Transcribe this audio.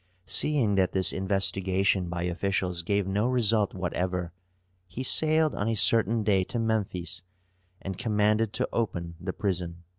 Seeing that this investigation by officials gave no result whatever, he sailed on a certain day to Memphis and commanded to open the prison.